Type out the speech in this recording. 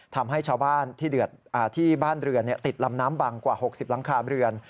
ทำให้ชาวบ้านที่บ้านเรือนติดลำน้ำบังกว่า๖๐หลังคาเรือน